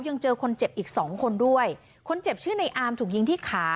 ยังเจอคนเจ็บอีกสองคนด้วยคนเจ็บชื่อในอามถูกยิงที่ขา